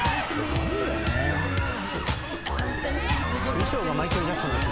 衣装がマイケル・ジャクソンです